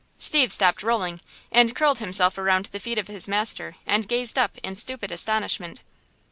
Steve stopped rolling, and curled himself around the feet of his master and gazed up in stupid astonishment.